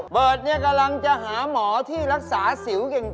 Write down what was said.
กำลังจะหาหมอที่รักษาสิวเก่ง